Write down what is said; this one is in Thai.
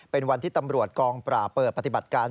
เป็นวันที่ตำรวจกองปราบเปิดปฏิบัติการ